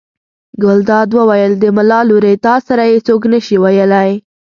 ګلداد وویل: د ملا لورې تا سره یې څوک نه شي ویلی.